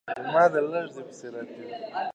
کارمل د شوروي ځواکونو حضور د ملي امنیت لپاره مهم ګڼلی.